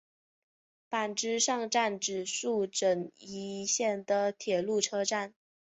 坂之上站指宿枕崎线的铁路车站。